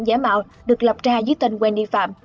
giả mạo được lập ra dưới tên wendy phạm